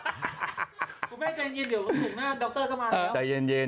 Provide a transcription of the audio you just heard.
ใจเย็นเดี๋ยวถุงหน้าด็อตเตอร์ก็มาแล้ว